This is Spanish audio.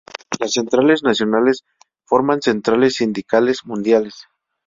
Las centrales nacionales forman centrales sindicales mundiales.